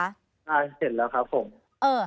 ใช่เห็นแล้วครับผม